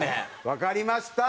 わかりました。